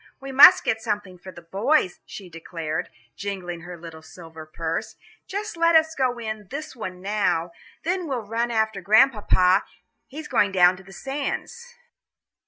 "We must get something for the boys," she declared, jingling her little silver purse; "just let us go in this one now, then we'll run after Grandpapa; he's going down on the sands."